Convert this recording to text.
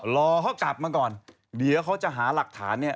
รอเขากลับมาก่อนเดี๋ยวเขาจะหาหลักฐานเนี่ย